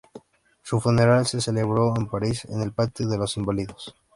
Su funeral se celebró en París en el patio de los Inválidos.